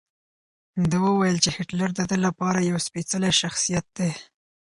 ده وویل چې هېټلر د ده لپاره یو سپېڅلی شخصیت دی.